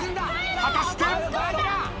果たして。